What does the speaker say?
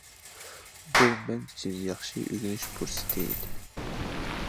بۇ مەن ئۈچۈن ياخشى ئۆگىنىش پۇرسىتى ئىدى.